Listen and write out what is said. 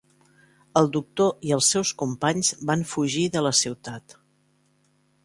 El doctor i el seus companys van fugir de la ciutat.